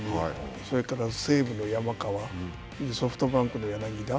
それから、西武の山川ソフトバンクの柳田。